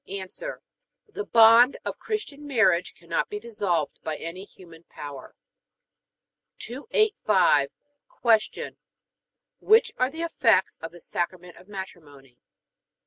A. The bond of Christian marriage cannot be dissolved by any human power. 285. Q. Which are the effects of the Sacrament of Matrimony?